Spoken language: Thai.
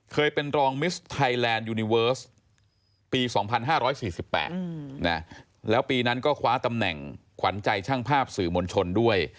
เคยเป็นรองมิสไทยแลนด์ยูนิเวิร์สปี๒๕๔๘แล้วปีนั้นก็คว้าตำแหน่งขวัญใจช่างภาพสื่อมวลชนด้วย